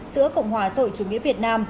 giữa cộng hòa sội chủ nghĩa việt nam